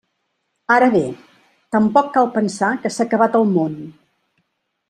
Ara bé, tampoc cal pensar que s'ha acabat el món.